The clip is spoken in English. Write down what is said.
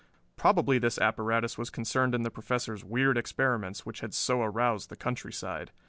Probably this apparatus was concerned in the Professor's weird experiments which had so aroused the countryside.